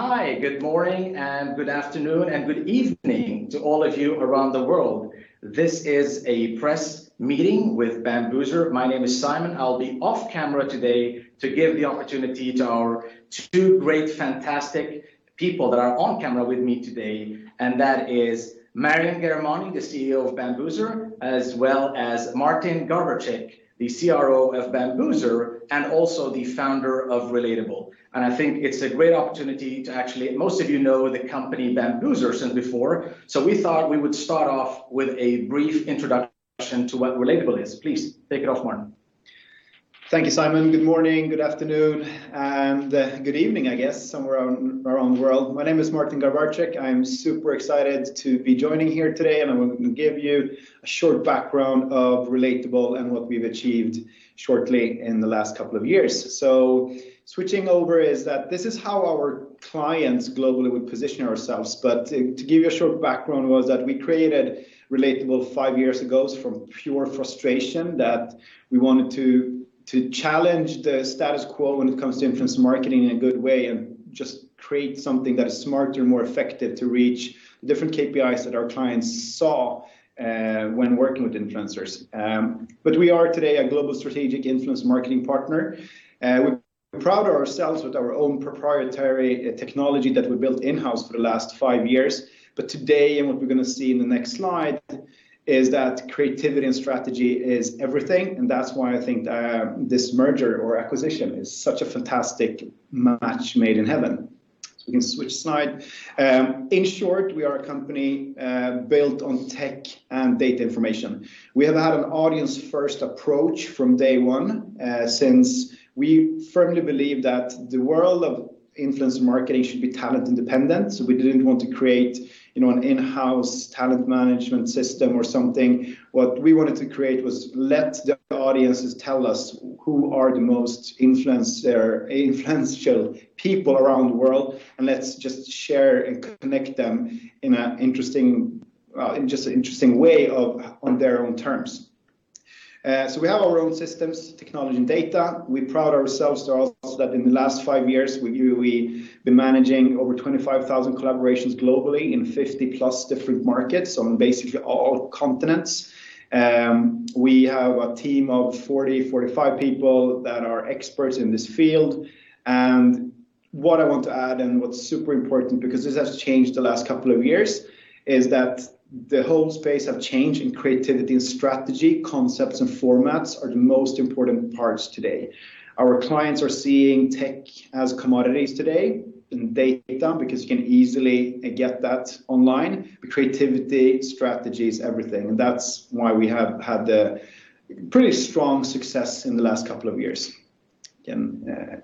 Hi, good morning, and good afternoon, and good evening to all of you around the world. This is a press meeting with Bambuser. My name is Simon I'll be off camera today to give the opportunity to our two great, fantastic people that are on camera with me today, and that is Maryam Ghahremani, the CEO of Bambuser, as well as Martin Garbarczyk, the CRO of Bambuser and also the founder of Relatable. I think it's a great opportunity. Most of you know the company Bambuser since before. We thought we would start off with a brief introduction to what Relatable is. Please, kick off, Martin. Thank you Simon. Good morning, good afternoon, and good evening, I guess, somewhere around the world. My name is Martin Garbarczyk. I'm super excited to be joining here today, and I'm going to give you a short background of Relatable and what we've achieved shortly in the last couple of years. Switching over is that this is how our clients globally would position ourselves. To give you a short background was that we created Relatable five years ago from pure frustration that we wanted to challenge the status quo when it comes to influencer marketing in a good way and just create something that's smarter and more effective to reach different KPIs that our clients saw when working with influencers. We are today a global strategic influencer marketing partner. We're proud of ourselves with our own proprietary technology that we built in-house for the last five years. Today, and what we're going to see in the next slide, is that creativity and strategy is everything, and that's why I think this merger or acquisition is such a fantastic match made in heaven. We can switch slide. In short, we are a company built on tech and data information. We have had an audience-first approach from day one, since we firmly believe that the world of influencer marketing should be talent independent. We didn't want to create an in-house talent management system or something. What we wanted to create was let the audiences tell us who are the most influential people around the world, and let's just share and connect them in an interesting way on their own terms. We have our own systems, technology, and data. We pride ourselves also that in the last five years, we've been managing over 25,000 collaborations globally in 50+ different markets, so in basically all continents. We have a team of 40-45 people that are experts in this field. What I want to add, and what's super important, because this has changed the last couple of years, is that the whole space have changed, and creativity and strategy, concepts and formats are the most important parts today. Our clients are seeing tech as commodities today and data because you can easily get that online. Creativity strategy is everything, and that's why we have had pretty strong success in the last couple of years. When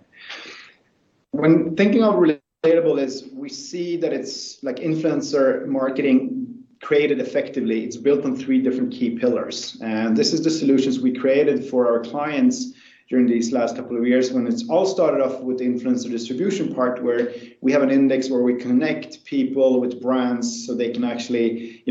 thinking about Relatable is we see that it's like influencer marketing created effectively. It's built on three different key pillars, and this is the solutions we created for our clients during these last couple of years. When it's all started off with influencer distribution part, where we have an index where we connect people with brands so they can actually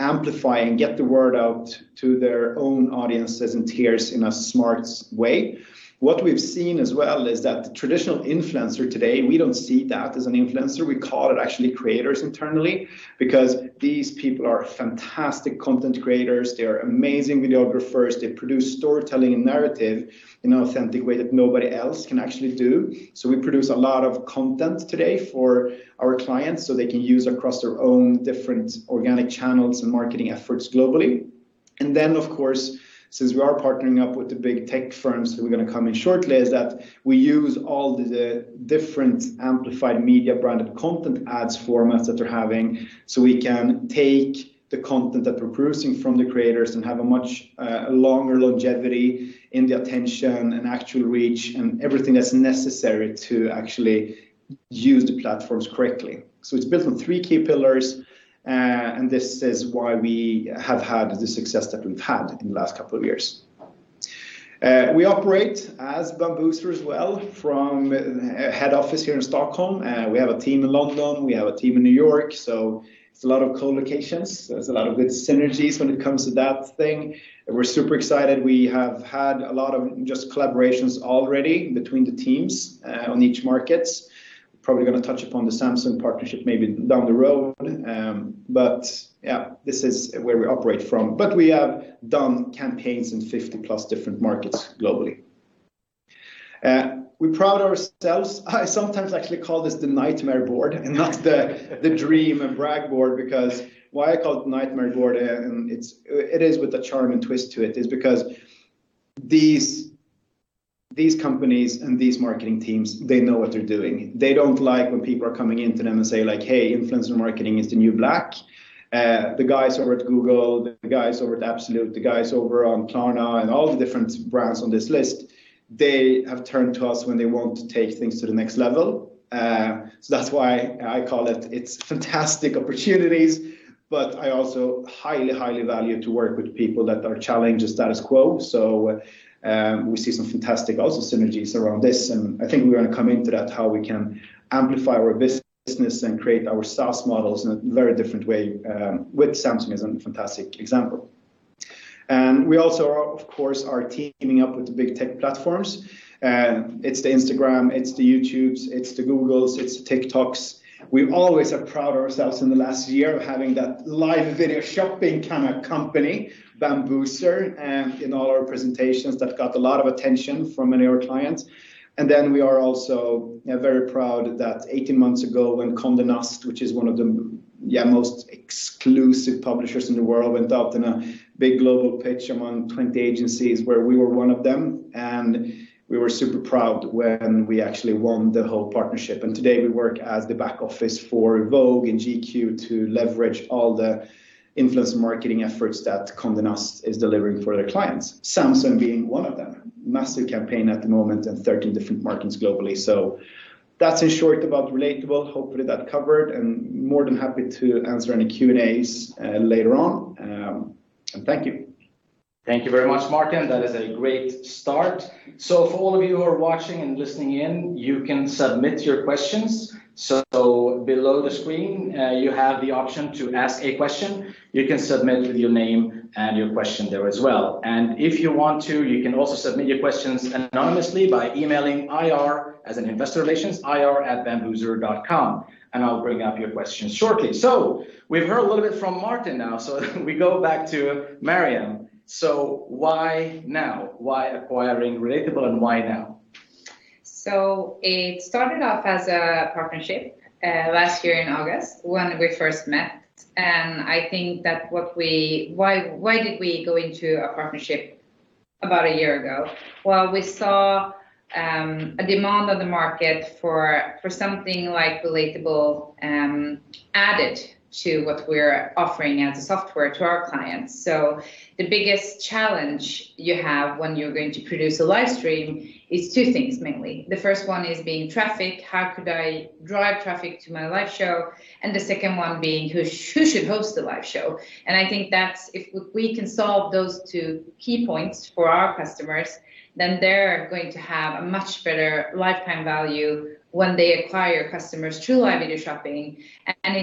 amplify and get the word out to their own audiences and tiers in a smart way. What we've seen as well is that the traditional influencer today, we don't see that as an influencer. We call it actually creators internally because these people are fantastic content creators. They're amazing videographers. They produce storytelling and narrative in an authentic way that nobody else can actually do. We produce a lot of content today for our clients, so they can use across their own different organic channels and marketing efforts globally. Of course, since we are partnering up with the big tech firms who are going to come in shortly, is that we use all the different amplified media branded content ads formats that they're having. We can take the content that we're producing from the creators and have a much longer longevity in the attention, and actual reach, and everything that's necessary to actually use the platforms correctly. It's built on three key pillars, and this is why we have had the success that we've had in the last couple of years. We operate as Bambuser as well from head office here in Stockholm. We have a team in London. We have a team in New York. It's a lot of co-locations. There's a lot of good synergies when it comes to that thing. We're super excited. We have had a lot of just collaborations already between the teams on each market. Probably going to touch upon the Samsung partnership maybe down the road. Yeah, this is where we operate from. We have done campaigns in 50+ different markets globally. I sometimes actually call this the Nightmare Board and not the dream and brag board because why I call it Nightmare Board, and it is with a charm and twist to it, is because these companies and these marketing teams, they know what they're doing. They don't like when people are coming into them and say, like, "Hey, influencer marketing is the new black." The guys over at Google, the guys over at Absolut, the guys over on Klarna, and all the different brands on this list, they have turned to us when they want to take things to the next level. That's why I call it's fantastic opportunities, but I also highly value to work with people that are challenging status quo. We see some fantastic also synergies around this, and I think we're going to come into that, how we can amplify our business and create our SaaS models in a very different way with Samsung as a fantastic example. We also are, of course, are teaming up with the big tech platforms. It's the Instagram, it's the YouTubes, it's the Googles, it's the TikToks. We always have prided ourselves in the last year of having that live video shopping kind of company, Bambuser, in all our presentations that got a lot of attention from many of our clients. We are also very proud that 18 months ago when Condé Nast which is one of the most exclusive publishers in the world, went out in a big global pitch among 20 agencies where we were one of them, we were super proud when we actually won the whole partnership. Today, we work as the back office for Vogue and GQ to leverage all the influencer marketing efforts that Condé Nast is delivering for their clients, Samsung being one of them. Massive campaign at the moment in 13 different markets globally. That's in short about Relatable. Hopefully, that covered, more than happy to answer any Q&As later on. Thank you. Thank you very much, Martin. That is a great start. For all of you who are watching and listening in, you can submit your questions. Below the screen, you have the option to ask a question. You can submit with your name and your question there as well. If you want to, you can also submit your questions anonymously by emailing IR, as in investor relations, ir@bambuser.com, and I'll bring up your questions shortly. We've heard a little bit from Martin now, so we go back to Maryam. Why now? Why acquiring Relatable and why now? It started off as a partnership last year in August when we first met. I think that why did we go into a partnership about a year ago? We saw a demand on the market for something like Relatable added to what we're offering as a software to our clients. The biggest challenge you have when you're going to produce a live stream is two things mainly. The first one is being traffic, how could I drive traffic to my live show? The second one being who should host the live show? I think that if we can solve those two key points for our customers, they're going to have a much better lifetime value when they acquire customers through live video shopping. In the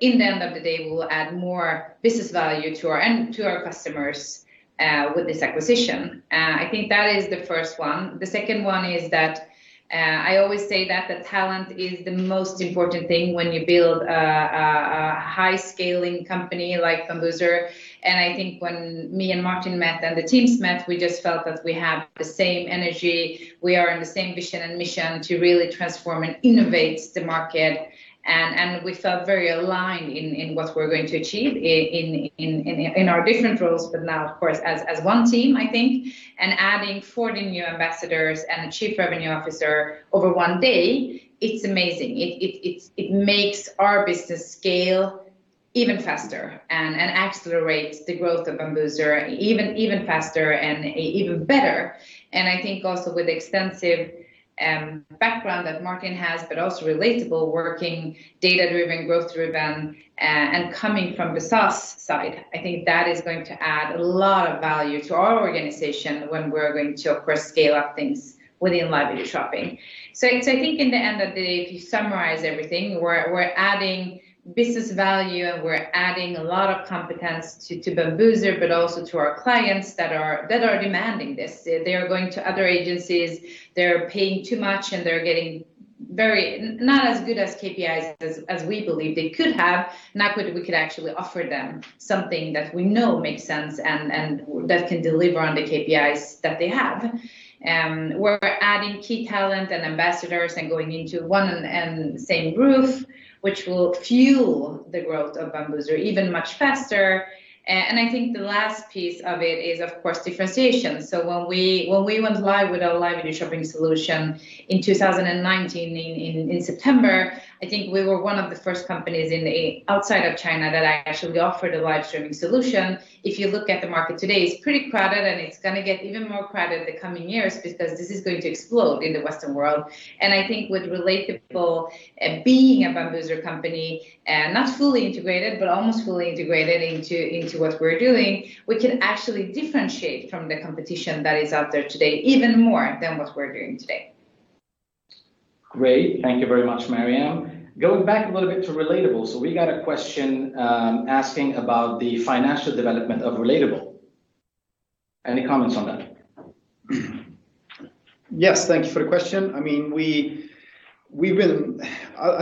end of the day, we'll add more business value to our customers with this acquisition. I think that is the first one. The second one is that I always say that the talent is the most important thing when you build a high-scaling company like Bambuser. I think when me and Martin met, and the teams met, we just felt that we have the same energy. We are in the same vision and mission to really transform and innovate the market, and we felt very aligned in what we're going to achieve in our different roles, but now, of course, as one team, I think. Adding 40 new ambassadors and a Chief Revenue Officer over one day, it's amazing. It makes our business scale even faster and accelerates the growth of Bambuser even faster and even better. I think also with the extensive background that Martin has, but also Relatable working data-driven growth driven and coming from the SaaS side, I think that is going to add a lot of value to our organization, when we're going to, of course, scale up things within live video shopping. I think in the end of the day, if you summarize everything, we're adding business value, and we're adding a lot of competence to Bambuser, but also to our clients that are demanding this. They are going to other agencies, they're paying too much, and they're getting not as good as KPIs as we believe they could have. Now we could actually offer them something that we know makes sense and that can deliver on the KPIs that they have. We're adding key talent and ambassadors and going into one and same roof, which will fuel the growth of Bambuser even much faster. I think the last piece of it is, of course, differentiation. When we went live with our live video shopping solution in 2019 in September, I think we were one of the first companies outside of China that actually offered a live streaming solution. If you look at the market today, it's pretty crowded, and it's going to get even more crowded in the coming years because this is going to explode in the Western world. I think with Relatable being a Bambuser company, not fully integrated but almost fully integrated into what we're doing, we can actually differentiate from the competition that is out there today even more than what we're doing today. Great. Thank you very much, Maryam. Going back a little bit to Relatable, we got a question asking about the financial development of Relatable. Any comments on that? Yes. Thank you for the question. I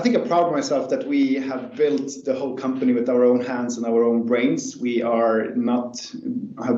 think I'm proud of myself that we have built the whole company with our own hands and brains. We have not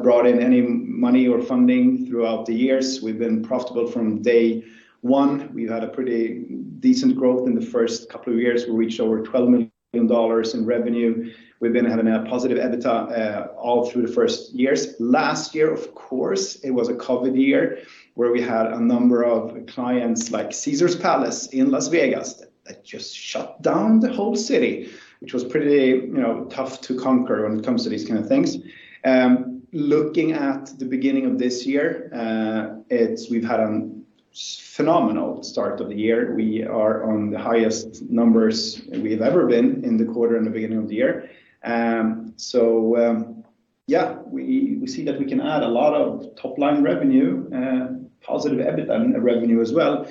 brought in any money or funding throughout the years. We've been profitable from day one. We've had a pretty decent growth in the first couple of years. We reached over SEK 12 million in revenue. We've been having a positive EBITDA all through the first years. Last year, of course, it was a COVID year where we had a number of clients like Caesars Palace in Las Vegas that just shut down the whole city, which was pretty tough to conquer when it comes to these kind of things. Looking at the beginning of this year, we've had a phenomenal start of the year. We are on the highest numbers we've ever been in the quarter in the beginning of the year. Yeah, we see that we can add a lot of top-line revenue positive EBITDA revenue as well.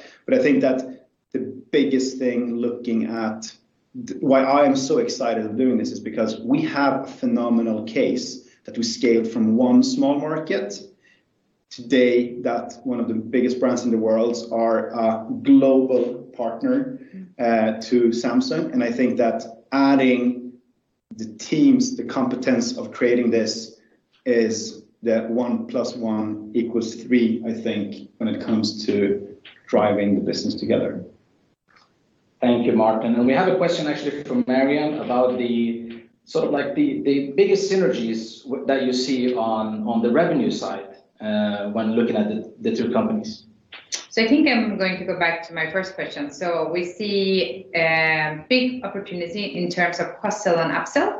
Why I'm so excited to doing this is because we have a phenomenal case that we scaled from one small market. Today, that's one of the biggest brands in the world, our global partner to Samsung. I think that adding the teams, the competence of creating this is that one plus one equals three, I think, when it comes to driving the business together. Thank you, Martin. We have a question actually from Maryam Ghahremani about the biggest synergies that you see on the revenue side when looking at the two companies. I think I'm going to go back to my first question. We see a big opportunity in terms of cross-sell and upsell.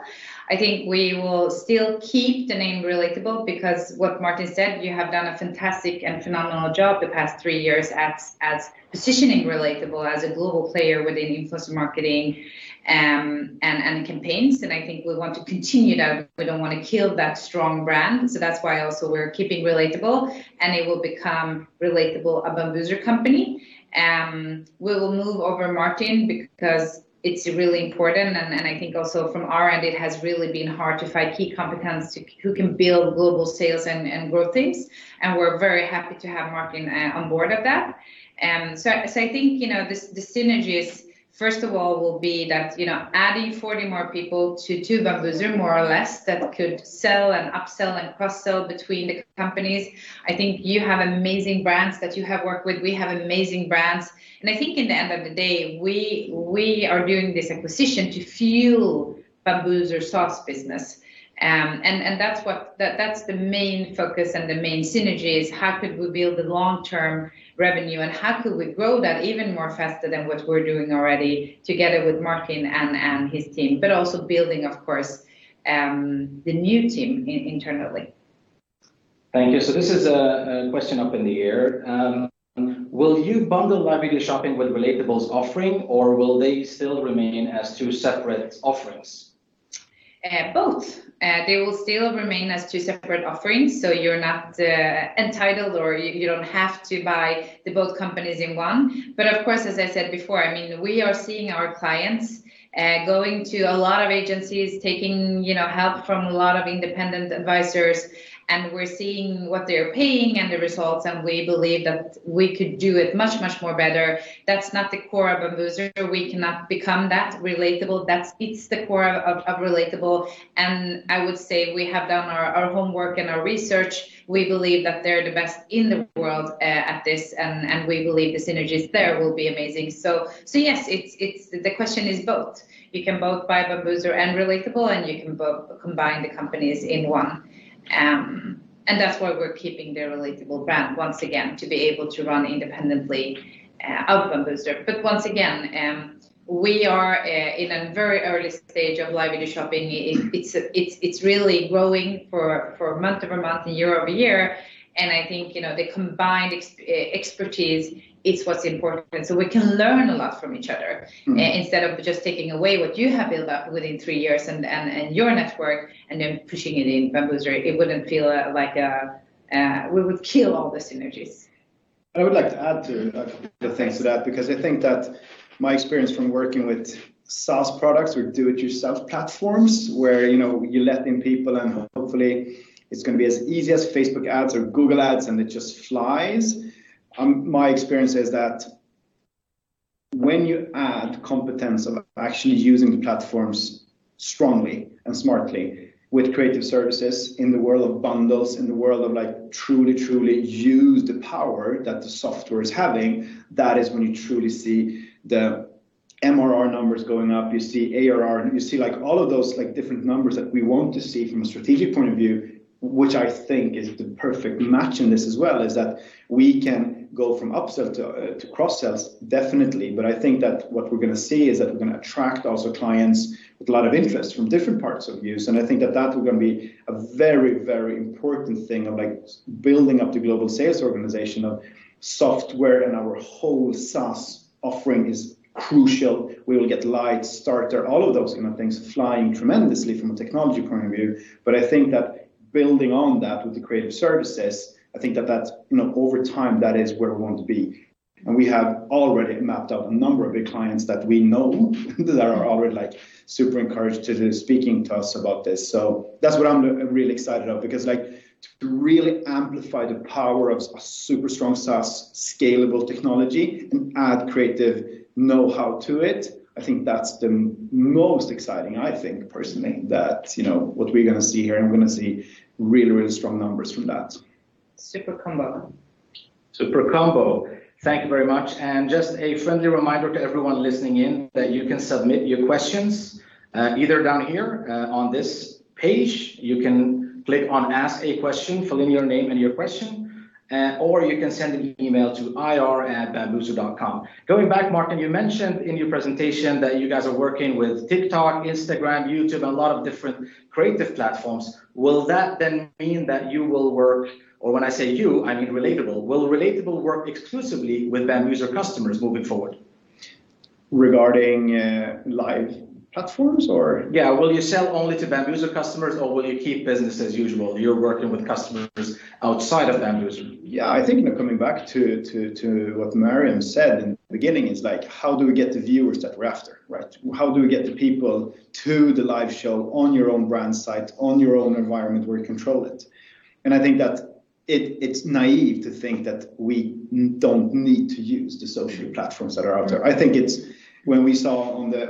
I think we will still keep the name Relatable because what Martin said, you have done a fantastic and phenomenal job the past three years as positioning Relatable as a global player within influencer marketing and campaigns. I think we want to continue that. We don't want to kill that strong brand. That's why also we're keeping Relatable, and it will become Relatable, a Bambuser company. We'll move over Martin because it's really important, I think also from our end, it has really been hard to find key competence who can build global sales and growth things, and we're very happy to have Martin on board of that. I think, the synergies, first of all, will be that adding 40 more people to Bambuser, more or less, that could sell and upsell and cross-sell between the companies. I think you have amazing brands that you have worked with. We have amazing brands, and I think in the end of the day, we are doing this acquisition to fuel Bambuser SaaS business. That's the main focus and the main synergy is how could we build the long-term revenue and how could we grow that even more faster than what we're doing already together with Martin and his team, but also building, of course, the new team internally. Thank you. This is a question up in the air. Will you bundle live video shopping with Relatable's offering, or will they still remain as two separate offerings? Both. They will still remain as two separate offerings, so you're not entitled or you don't have to buy the both companies in one. Of course, as I said before, we are seeing our clients going to a lot of agencies, taking help from a lot of independent advisors, and we're seeing what they're paying and the results, and we believe that we could do it much, much more better. That's not the core of Bambuser. We cannot become that. Relatable, that it's the core of Relatable, and I would say we have done our homework and our research. We believe that they're the best in the world at this, and we believe the synergies there will be amazing. Yes, the question is both. You can both buy Bambuser and Relatable, and you can both combine the companies in one. That's why we're keeping the Relatable brand, once again, to be able to run independently out of Bambuser. Once again, we are in a very early stage of live video shopping. It's really growing for month-over-month, year-over-year, and I think, the combined expertise is what's important, so we can learn a lot from each other instead of just taking away what you have built up within three years and your network and then pushing it in Bambuser. It wouldn't feel like. We would kill all the synergies. I would like to add a few things to that because I think that my experience from working with SaaS products or do-it-yourself platforms where you're letting people in and hopefully it's going to be as easy as Facebook Ads or Google Ads and it just flies. My experience is that when you add competence of actually using the platforms strongly and smartly with creative services in the world of bundles, in the world of truly use the power that the software is having, that is when you truly see the MRR numbers going up. You see ARR, and you see all of those different numbers that we want to see from a strategic point of view, which I think is the perfect match in this as well, is that we can go from upsells to cross-sells definitely. I think that what we're going to see is that we're going to attract also clients with a lot of interest from different parts of use, and I think that that is going to be a very important thing of building up the global sales organization of software and our whole SaaS offering is crucial. We will get Live Starter, all of those kind of things flying tremendously from a technology point of view. I think that building on that with the creative services, I think that that's, over time, that is where we want to be. We have already mapped out a number of the clients that we know that are already super encouraged speaking to us about this. That's what I'm really excited about because to really amplify the power of super strong SaaS scalable technology and add creative know-how to it, I think that's the most exciting, I think personally, that what we're going to see here, I'm going to see really strong numbers from that. Super combo. Super combo. Thank you very much. Just a friendly reminder to everyone listening in that you can submit your questions, either down here, on this page. You can click on Ask a Question, fill in your name and your question, or you can send an email to ir@bambuser.com. Going back, Martin, you mentioned in your presentation that you guys are working with TikTok, Instagram, YouTube, a lot of different creative platforms. Will that then mean that, when I say you, I mean Relatable, will Relatable work exclusively with Bambuser customers moving forward? Regarding live Platforms? Yeah. Will you sell only to Bambuser customers, or will you keep business as usual, you're working with customers outside of Bambuser? Yeah. I think coming back to what Maryam Ghahremani said in the beginning, it's like, how do we get the viewers that we're after? Right. How do we get the people to the live show on your own brand site on your own environment where you control it? I think that it's naïve to think that we don't need to use the social platforms that are out there. I think it's when we saw on the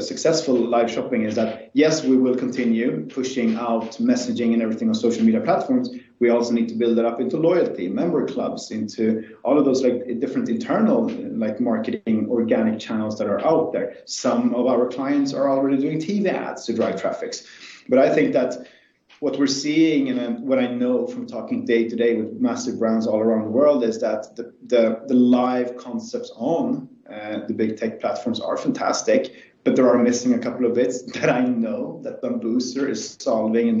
successful live shopping is that, yes, we will continue pushing out messaging and everything on social media platforms. We also need to build that up into loyalty, member clubs, into all of those different internal marketing organic channels that are out there. Some of our clients are already doing TV ads to drive traffic. I think that what we're seeing, and what I know from talking day to day with massive brands all around the world, is that the live concepts on the big tech platforms are fantastic, but there are missing a couple of bits that I know that Bambuser is solving in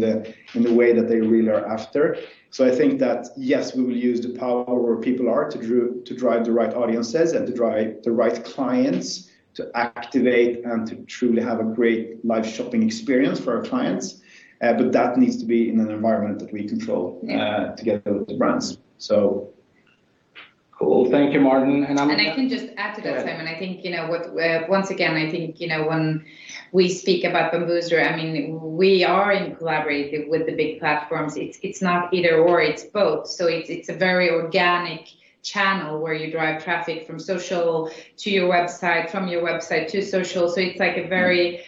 the way that they really are after. I think that, yes, we will use the power where people are to drive the right audiences and to drive the right clients to activate and to truly have a great live shopping experience for our clients. That needs to be in an environment that we control. Yeah together with the brands. Cool. Thank you, Martin. I can just add to that, Simon. Go ahead. Once again, I think, when we speak about Bambuser, we are in collaborative with the big platforms. It's not either/or, it's both. It's a very organic channel where you drive traffic from social to your website, from your website to social.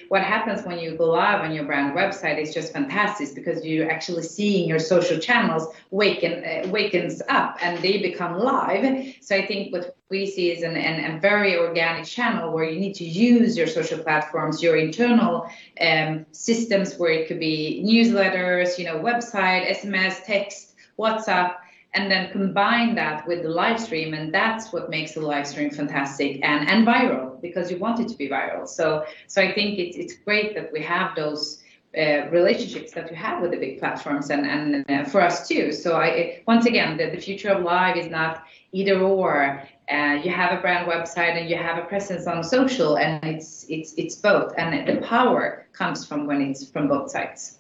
What happens when you go live on your brand website is just fantastic because you're actually seeing your social channels wake up, and they become live. I think what we see is a very organic channel where you need to use your social platforms, your internal systems, where it could be newsletters, website, SMS, text and WhatsApp, and then combine that with the live stream, and that's what makes the live stream fantastic and viral because you want it to be viral. I think it's great that we have those relationships that we have with the big platforms and for us too. Once again, the future of live is not either/or. You have a brand website, and you have a presence on social, and it's both. The power comes from when it's from both sides.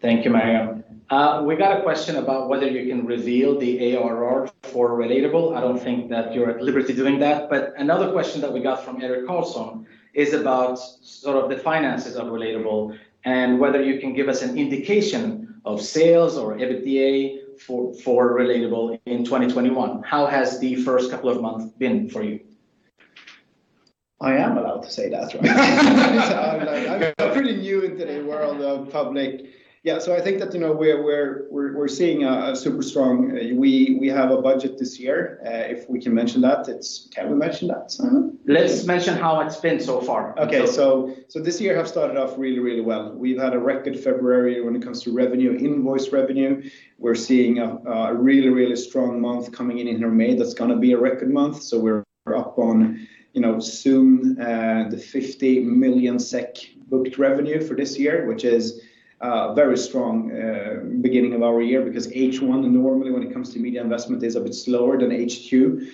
Thank you, Maryam Ghahremani. We got a question about whether you can reveal the ARR for Relatable. I don't think that you're at liberty doing that, but another question that we got from Eric Carlson is about sort of the finances of Relatable and whether you can give us an indication of sales or EBITDA for Relatable in 2021. How has the first couple of months been for you? I am allowed to say that, right? I'm pretty new into the world of public. Yeah. We have a budget this year, if we can mention that. Can we mention that, Simon? Let's mention how it's been so far. Okay. This year has started off really, really well. We've had a record February when it comes to revenue, invoice revenue. We're seeing a really, really strong month coming in in May. That's going to be a record month. We're up on, soon, the 50 million SEK booked revenue for this year, which is a very strong beginning of our year, because H1 normally when it comes to media investment is a bit slower than H2.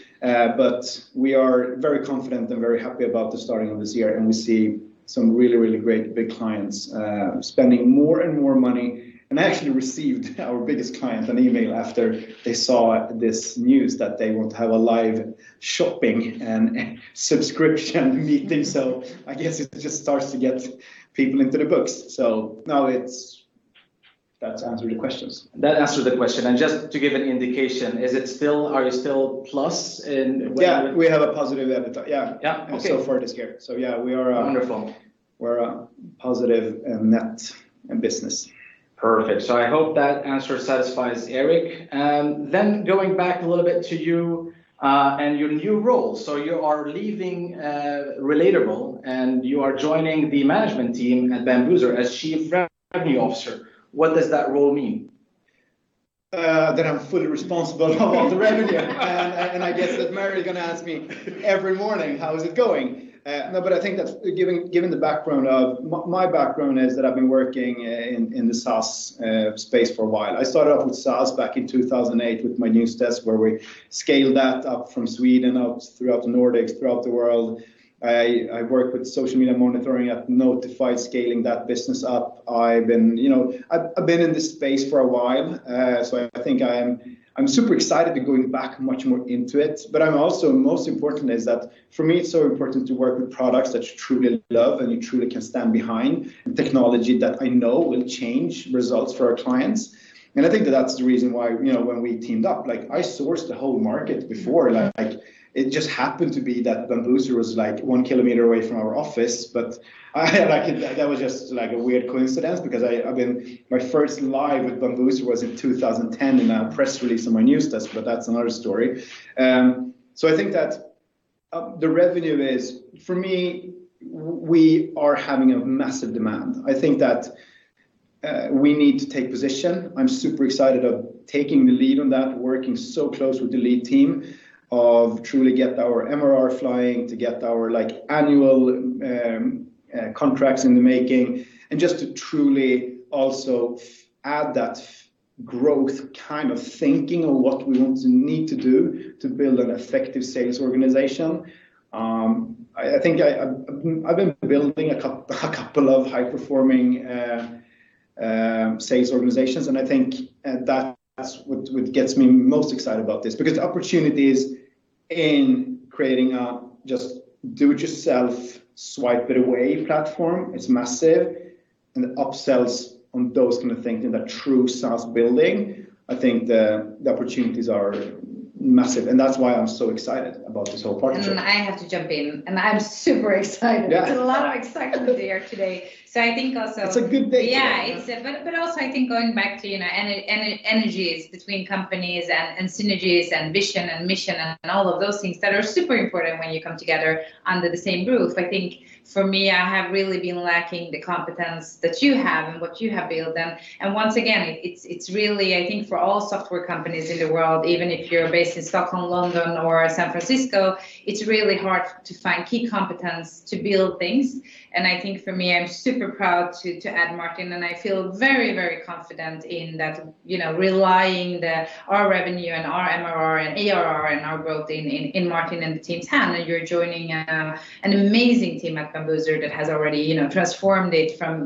We are very confident and very happy about the starting of this year, and we see some really, really great big clients spending more and more money. I actually received, our biggest client, an email after they saw this news that they want to have a live video shopping and subscription meeting. I guess it just starts to get people into the books. Now that's answered the questions. That answered the question. Just to give an indication, are you still plus? Yeah, we have a positive EBITDA. Yeah. Okay. So far this year. Yeah. Wonderful We're a positive net in business. Perfect. I hope that answer satisfies Eric. Going back a little bit to you and your new role. You are leaving Relatable, and you are joining the management team at Bambuser as Chief Revenue Officer. What does that role mean? That I'm fully responsible of all the revenue. I guess that Miryam going to ask me every morning, "How is it going?" I think that given my background is that I've been working in the SaaS space for a while. I started off with SaaS back in 2008 with Mynewsdesk, where we scaled that up from Sweden, out throughout the Nordics, throughout the world. I worked with social media monitoring at Notified, scaling that business up. I've been in this space for a while. I think I'm super excited to going back much more into it, but also most important is that for me, it's so important to work with products that you truly love and you truly can stand behind, and technology that I know will change results for our clients. I think that that's the reason why when we teamed up, I sourced the whole market before. Yeah. It just happened to be that Bambuser was 1 kilometer away from our office, that was just a weird coincidence because my first live with Bambuser was in 2010 in a press release on Mynewsdesk, that's another story. I think that the revenue is, for me, we are having a massive demand. I think that we need to take position. I'm super excited of taking the lead on that, working so close with the lead team of truly get our MRR flying, to get our annual contracts in the making, just to truly also add that growth kind of thinking of what we want to need to do to build an effective sales organization. I think I've been building a couple of high-performing sales organizations. I think that's what gets me most excited about this, because the opportunities in creating a just do-it-yourself, swipe it away platform is massive. The upsells on those kind of things in that true SaaS building, I think the opportunities are massive. That's why I'm so excited about this whole partnership. I have to jump in, and I'm super excited. Yeah. There's a lot of excitement in the air today. It's a good day to be alive. Also I think going back to energies between companies and synergies and vision and mission and all of those things that are super important when you come together under the same roof. I think for me, I have really been lacking the competence that you have and what you have built. Once again, it's really, I think for all software companies in the world, even if you're based in Stockholm, London, or San Francisco, it's really hard to find key competence to build things. I think for me, I'm super proud to add Martin, and I feel very, very confident in that relying that our revenue and our MRR and ARR and our growth in Martin and the team's hand. You're joining an amazing team at Bambuser that has already transformed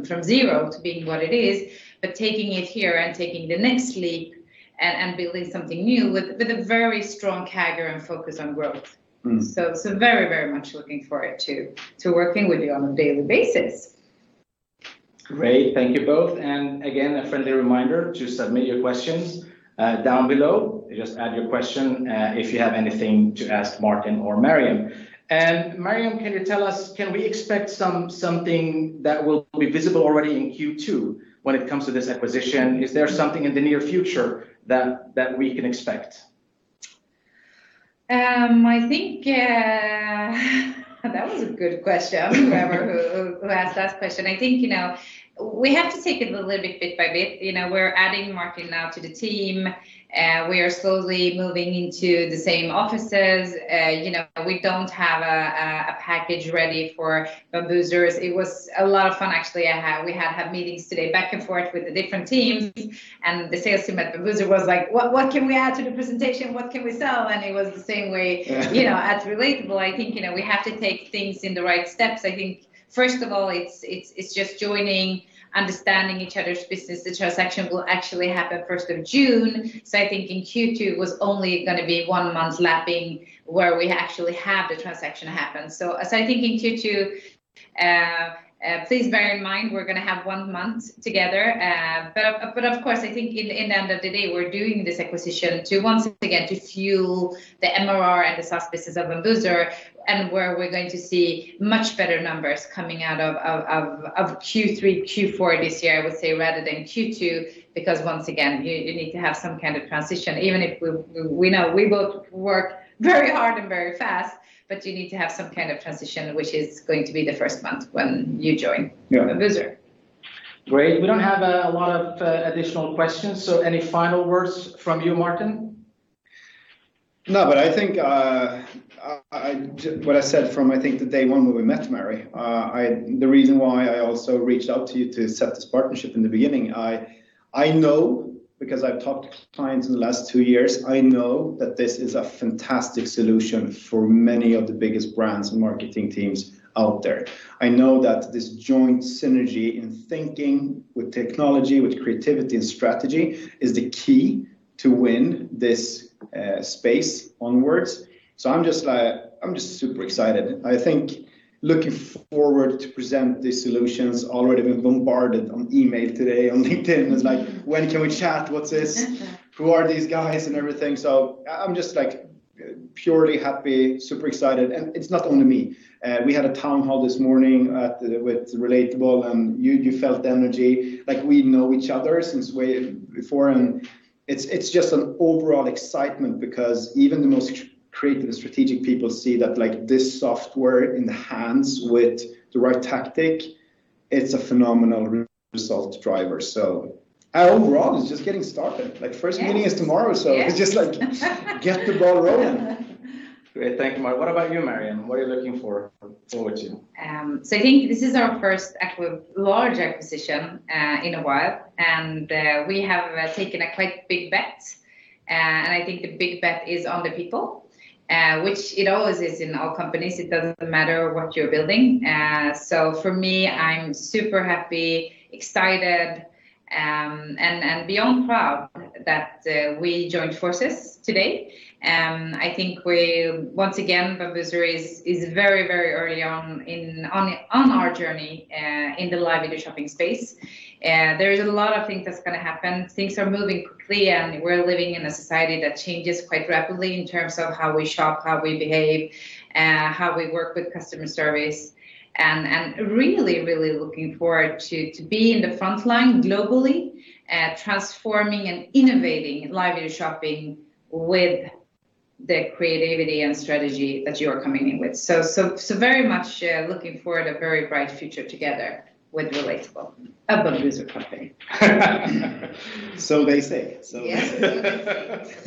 from zero to being what it is, but taking it here and taking the next leap and building something new with a very strong CAGR and focus on growth. Very much looking forward to working with you on a daily basis. Great. Thank you both. Again, a friendly reminder to submit your questions down below. Just add your question, if you have anything to ask Martin or Maryam. Maryam, can you tell us, can we expect something that will be visible already in Q2 when it comes to this acquisition? Is there something in the near future that we can expect? I think that was a good question, whoever who asked last question. I think we have to take it a little bit by bit. We're adding Martin now to the team. We are slowly moving into the same offices. We don't have a package ready for Bambusers. It was a lot of fun, actually. We had meetings today back and forth with the different teams. The sales team at Bambuser was like, "What can we add to the presentation? What can we sell?" It was the same way. Yeah at Relatable. I think we have to take things in the right steps. I think first of all, it's just joining, understanding each other's business. The transaction will actually happen June 1st, 2021. I think in Q2, it was only going to be one month lapping where we actually have the transaction happen. I think in Q2, please bear in mind, we're going to have one month together. Of course, I think in the end of the day, we're doing this acquisition to, once again, to fuel the MRR and the SaaS business of Bambuser, and where we're going to see much better numbers coming out of Q3, Q4 this year, I would say, rather than Q2, because once again, you need to have some kind of transition, even if we know we will work very hard and very fast, but you need to have some kind of transition, which is going to be the first month when you join. Yeah Bambuser. Great. We don't have a lot of additional questions, any final words from you, Martin? I think what I said from, I think the day one when we met, Maryam Ghahremani, the reason why I also reached out to you to set this partnership in the beginning, I know because I've talked to clients in the last two years, I know that this is a fantastic solution for many of the biggest brands and marketing teams out there. I know that this joint synergy in thinking with technology, with creativity and strategy, is the key to win this space onwards. I'm just super excited. I think looking forward to present these solutions. Already been bombarded on email today on LinkedIn. It's like, "When can we chat? What's this?" "Who are these guys?" Everything. I'm just purely happy, super excited, and it's not only me. We had a town hall this morning with Relatable, and you felt the energy. We know each other since way before, and it's just an overall excitement because even the most creative and strategic people see that this software in the hands with the right tactic, it's a phenomenal result driver. Overall, it's just getting started. Yes meeting is tomorrow. Yes it's just like get the ball rolling. Great. Thank you, Martin. What about you, Maryam? What are you looking forward to? I think this is our first large acquisition in a while, and we have taken a quite big bet. I think the big bet is on the people, which it always is in all companies. It doesn't matter what you're building. For me, I'm super happy, excited, and beyond proud that we joined forces today. I think we, once again, Bambuser is very early on our journey in the live video shopping space. There is a lot of things that's going to happen. Things are moving quickly, and we're living in a society that changes quite rapidly in terms of how we shop, how we behave, how we work with customer service, and really looking forward to be in the frontline globally, transforming and innovating live video shopping with the creativity and strategy that you're coming in with. Very much looking forward a very bright future together with Relatable, a Bambuser company. They say. Yes.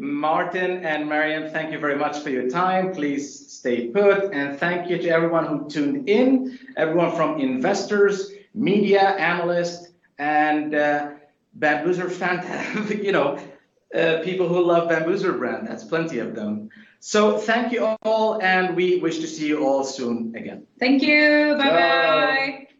Martin and Maryam, thank you very much for your time. Please stay put. Thank you to everyone who tuned in, everyone from investors, media, analysts, and Bambuser fans who love Bambuser brand. That's plenty of them. Thank you all. We wish to see you all soon again. Thank you. Bye. Bye.